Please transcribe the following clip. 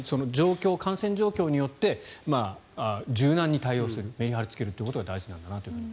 感染状況によって柔軟に対応するメリハリをつけることが大事なんだなということ。